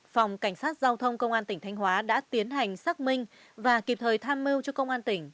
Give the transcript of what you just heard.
phòng cảnh sát giao thông công an tỉnh thanh hóa đã tiến hành xác minh và kịp thời tham mưu cho công an tỉnh